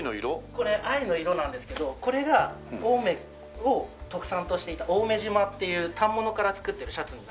これ藍の色なんですけどこれが青梅を特産としていた青梅嶋っていう反物から作ってるシャツに。